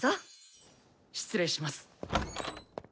失礼します。